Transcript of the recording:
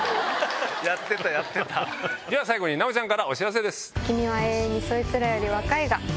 最後に奈緒ちゃんからお知らせです。